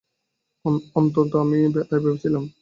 অন্তত আমি তাই ভেবেছিলাম।